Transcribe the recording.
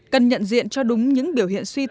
cần nhận diện cho đúng những biểu hiện xuất hiện